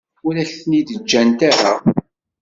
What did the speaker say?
Ur ak-ten-id-ǧǧant ara.